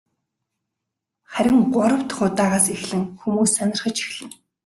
Харин гурав дахь удаагаас эхлэн хүмүүс сонирхож эхэлнэ.